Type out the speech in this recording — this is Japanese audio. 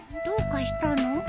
どうかしたの？